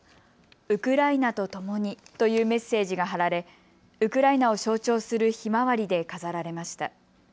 ウクライナと共にというメッセージが貼られ、ウクライナを象徴するひまわりで飾られました。